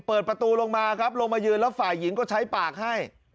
เปิดประตูลงมาครับลงมายืนแล้วฝ่ายหญิงก็ใช้ปากให้